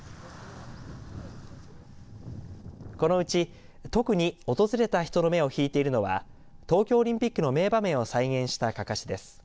このうち、特に訪れた人の目を引いているのは東京オリンピックの名場面を再現したかかしです。